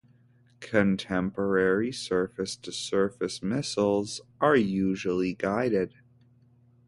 Contemporary surface-to-surface missiles are usually guided.